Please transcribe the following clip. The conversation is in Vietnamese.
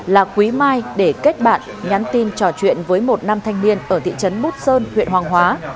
là quý mai để kết bạn nhắn tin trò chuyện với một nam thanh niên ở thị trấn bút sơn huyện hoàng hóa